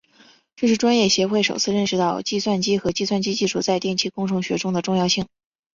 这是专业协会首次认识到计算机和计算机技术在电气工程学中的重要性。